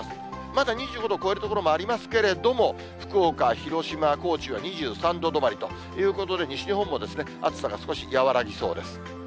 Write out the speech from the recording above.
まだ２５度を超える所もありますけれども、福岡、広島、高知は２３度止まりということで、西日本も暑さが少し和らぎそうです。